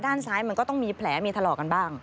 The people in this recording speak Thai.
ด้านซ้ายมันก็ต้องมีแผลมีถลอกกันบ้าง